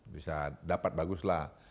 bisa dapat baguslah